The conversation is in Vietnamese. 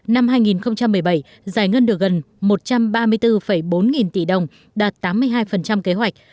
năm hai nghìn một mươi bảy giải ngân được gần một trăm ba mươi bốn bốn nghìn tỷ đồng đạt tám mươi hai kế hoạch